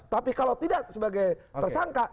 tapi kalau tidak sebagai tersangka